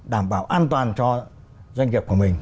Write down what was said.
đảm bảo an toàn cho doanh nghiệp của mình